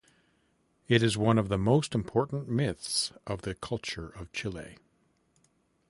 It is one of the most important myths of the culture of Chile.